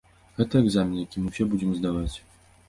Гэта экзамен, які мы ўсе будзем здаваць.